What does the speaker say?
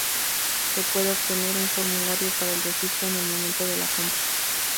Se puede obtener un formulario para el registro en el momento de la compra.